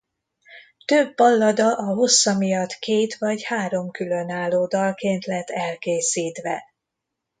Több ballada a hossza miatt két vagy három különálló dalként lett elkészítve.